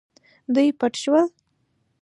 دوی پټ شول.